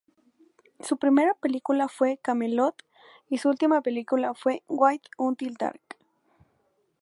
Su primera película fue "Camelot" y su última película fue "Wait Until Dark".